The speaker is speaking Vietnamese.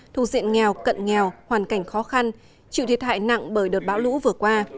thuộc diện nghèo cận nghèo hoàn cảnh khó khăn chịu thiệt hại nặng bởi đợt bão lũ vừa qua